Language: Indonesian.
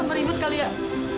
mulai bakal indah